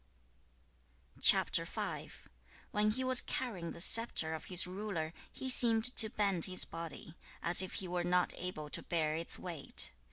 When he was carrying the scepter of his ruler, he seemed to bend his body, as if he were not able to bear its weight.